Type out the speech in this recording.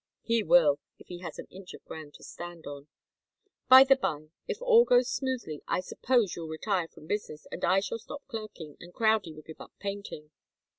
"He will, if he has an inch of ground to stand on. By the bye, if all goes smoothly, I suppose you'll retire from business, and I shall stop clerking, and Crowdie will give up painting."